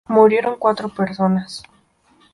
Murieron cuatro personas.